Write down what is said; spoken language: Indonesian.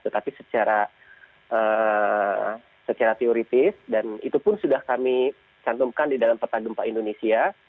tetapi secara teoritis dan itu pun sudah kami cantumkan di dalam peta gempa indonesia